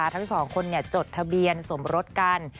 ทั้งสองคนจดทะเบียนสมรสกัน